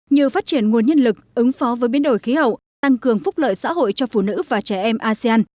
như phát triển nguồn nhân lực ứng phó với biến đổi khí hậu tăng cường phúc lợi xã hội cho phụ nữ và trẻ em asean